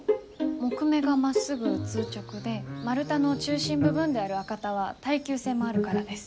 木目がまっすぐ通直で丸太の中心部分である赤太は耐久性もあるからです。